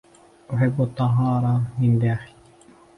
أحب الطهارة من داخل